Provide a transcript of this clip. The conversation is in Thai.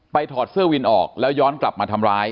ถอดเสื้อวินออกแล้วย้อนกลับมาทำร้าย